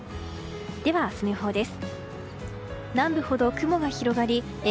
では明日の予報です。